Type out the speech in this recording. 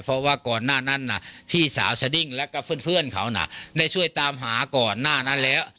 เพราะว่าก่อนหน้านั้นพี่สาวสดิ้งแล้วก็เพื่อนเขาน่ะได้ช่วยตามหาก่อนหน้านั้นแล้ว